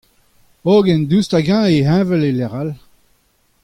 Hogen daoust hag heñvel eo e lecʼh all ?